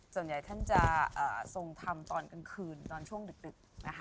ส่วนใหญ่ท่านจะทรงทำตอนกลางคืนตอนช่วงดึกนะคะ